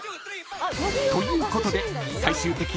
［ということで最終的に］